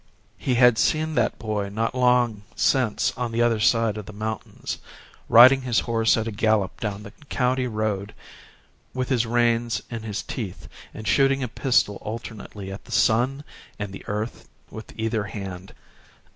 He had seen that boy not long since on the other side of the mountains, riding his horse at a gallop down the county road with his reins in his teeth, and shooting a pistol alternately at the sun and the earth with either hand.